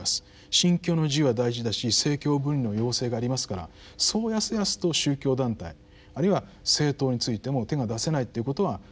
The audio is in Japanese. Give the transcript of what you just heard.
「信教の自由」は大事だし政教分離の要請がありますからそうやすやすと宗教団体あるいは政党についても手が出せないということは分かります。